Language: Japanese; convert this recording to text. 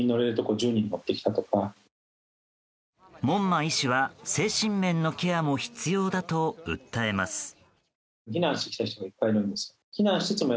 門馬医師は精神面のケアも必要だと訴えます。